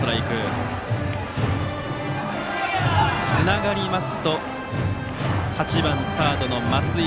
このあとにつながりますと８番サードの松井。